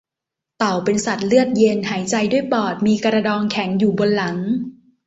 เต่าเป็นสัตว์เลือดเย็น หายใจด้วยปอด มีกระดองแข็งอยู่บนหลัง